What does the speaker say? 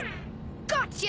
こっちだ！